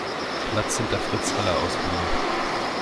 Platz hinter Fritz Haller aus Wien.